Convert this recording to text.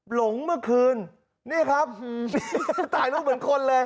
หลงเมื่อคืนนี่ครับตายแล้วเหมือนคนเลย